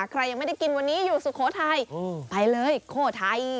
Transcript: ใครยังไม่ได้กินวันนี้อยู่สุโขทัยไปเลยโขทัย